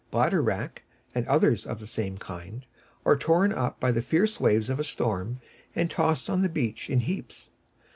The Bladder Wrack, and others of the same kind, are torn up by the fierce waves in a storm, and tossed on the beach in heaps.